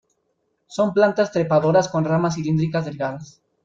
Son plantas trepadoras con ramas cilíndricas delgadas.